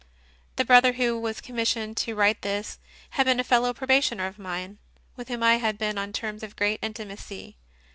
The Brother who was commissioned to write this had been a fellow probationer of mine, with whom I had been on terms of great intimacy.